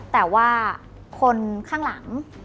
แต่ว่าคนข้างหลัง